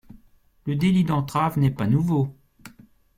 Le délit d’entrave n’est pas nouveau.